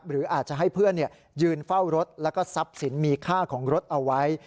หรืออาจจะให้เพื่อนยืนเฝ้ารถแล้วก็ทรัพย์สินมีค่าของรถเอาไว้